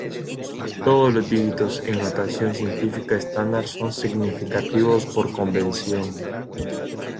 Todos los dígitos en notación científica estándar son significativos por convención.